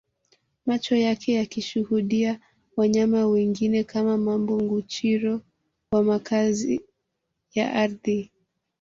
Macho yake yakishuhudia wanyama wengine kama Mamba Nguchiro wa makazi ya ardhi